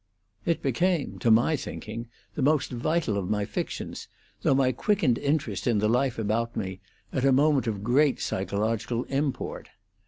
It became, to my thinking, the most vital of my fictions, through my quickened interest in the life about me, at a moment of great psychological import.